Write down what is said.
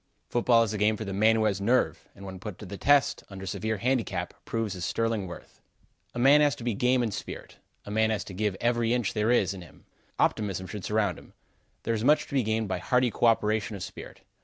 Football is a game for the man who has nerve, and when put to the test, under severe handicap, proves his sterling worth. A man has to be game in spirit. A man has to give every inch there is in him. Optimism should surround him. There is much to be gained by hearty co operation of spirit.